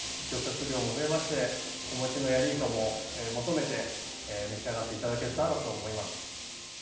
漁獲量も増えまして子持ちのヤリイカも求めて召し上がっていただけたらと思います。